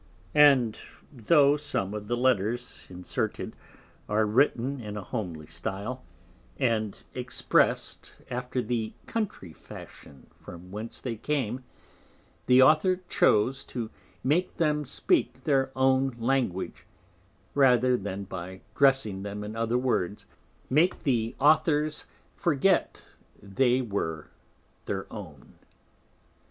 And tho' some of the Letters inserted are written in a homely Stile, and exprest after the Country Fashion from whence they came, the Author chose to make them speak their own Language, rather than by dressing them in other Words make the Authors forget they were their own.